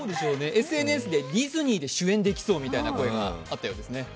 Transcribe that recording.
ＳＮＳで、ディズニーで主演できそうみたいな声があったようですね。